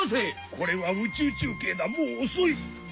これは宇宙中継だもう遅い！